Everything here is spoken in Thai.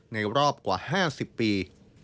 ในรอบกว่า๕๐ปี